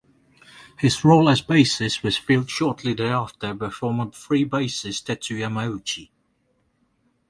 His role as bassist was filled shortly thereafter by former Free bassist Tetsu Yamauchi.